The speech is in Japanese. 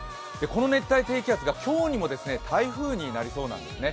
この熱帯低気圧が今日にも台風に変わりそうなんですね。